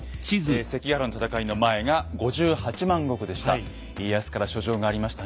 関ヶ原の戦いの前が５８万石でした。